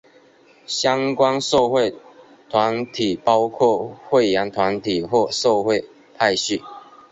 相关社会团体包括会员团体或社会派系。